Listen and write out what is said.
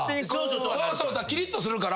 そうそうキリッとするから。